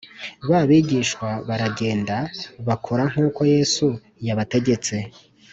Ba bigishwa baragenda bakora nk uko Yesu yabategetse